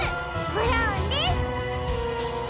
ブラウンです！